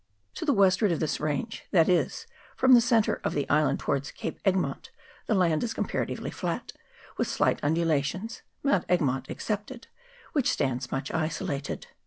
To the westward of this range, that is, from the centre of the island towards Cape Egmont, the land is comparatively flat, with slight undula tions, Mount Egmont excepted, which stands much isolated.